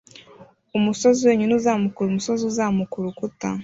umusozi wenyine uzamuka umusozi uzamuka urukuta